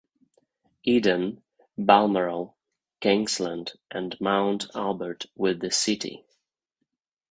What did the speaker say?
Eden, Balmoral, Kingsland, and Mount Albert with the city.